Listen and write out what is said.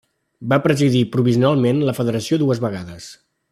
Va presidir provisionalment la federació dues vegades.